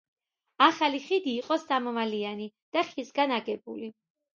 ახალი ხიდი იყო სამმალიანი და ხისგან აგებული.